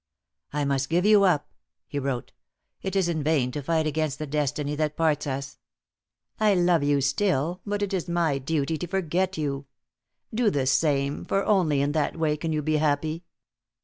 "I must give you up," he wrote. It is in vain to fight against the destiny that parts us. I love you still; but it is my duty to forget you. Do the same, for only in that way can you be happy.